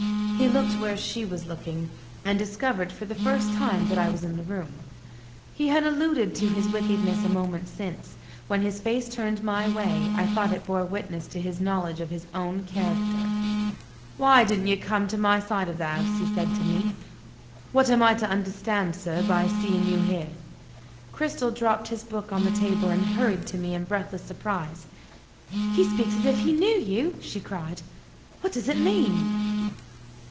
He looked where she was looking and discovered, for the first time, that I was in the room. He had alluded to his wickedness a moment since. When his face turned my way, I thought it bore witness to his knowledge of his own character. "Why didn't you come to my side of the house?" he said to me. "What am I to understand, sir, by seeing you here?" Cristel dropped his book on the table, and hurried to me in breathless surprise. "He speaks as if he knew you!" she cried. "What does it mean?"